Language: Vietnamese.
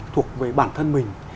thuộc về bản thân mình